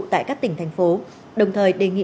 tại các tỉnh thành phố đồng thời đề nghị